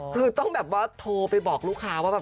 คือต้องโทรไปบอกลูกค้าว่า